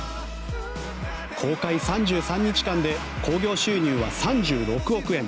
公開３３日間で興行収入は３６億円。